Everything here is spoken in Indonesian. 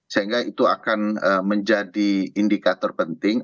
sehingga itu akan menjadi indikator penting